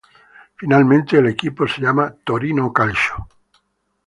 Finalmente el equipo se llama Torino Calcio.